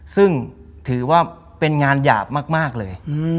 ซึ่งถือว่าเป็นงานหยาบมากเลย